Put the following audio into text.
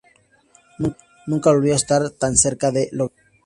Nunca volvió a estar tan cerca de lograrlo.